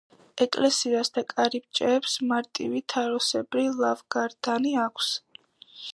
ეკლესიას და კარიბჭეებს მარტივი, თაროსებრი ლავგარდანი აქვს.